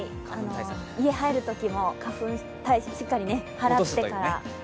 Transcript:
家に入るときも花粉をしっかり払ってから。